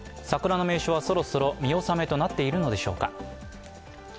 桜の名所はそろそろ見納めとなっているのでしょうか。